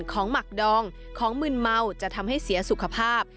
หมักดองของมืนเมาจะทำให้เสียสุขภาพ